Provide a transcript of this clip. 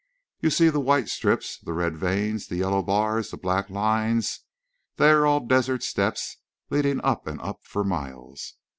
You see the white strips, the red veins, the yellow bars, the black lines. They are all desert steps leading up and up for miles.